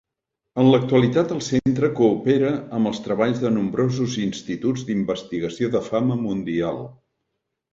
En l'actualitat el centre coopera amb els treballs de nombrosos instituts d'investigació de fama mundial.